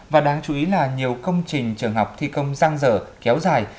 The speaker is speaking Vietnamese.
và đáng chú ý là nhiều công trình trường học thi công giang dở kéo dài